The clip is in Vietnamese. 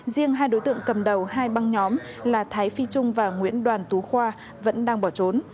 riêng hai đối tượng cầm đầu hai băng nhóm là thái phi trung và nguyễn đoàn tú khoa vẫn đang bỏ trốn